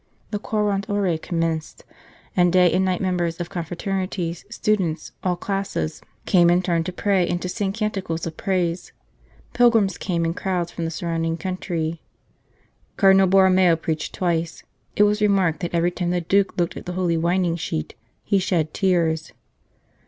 The Quarant Ore commenced, and day and night members of confraternities, students, all classes, came in turn to pray and to sing canticles of praise. Pilgrims came in crowds from the surrounding country. ..." Cardinal Borromeo preached twice. It was remarked that every time the Duke looked at the Holy Winding Sheet he shed tears.